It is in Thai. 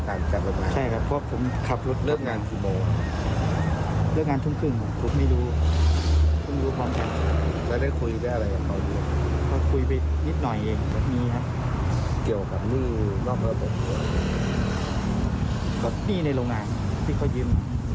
กับพี่ในโรงงานที่เขายิ้ม